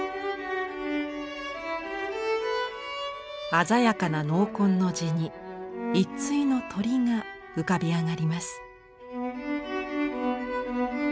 鮮やかな濃紺の地に一対の鳥が浮かび上がります。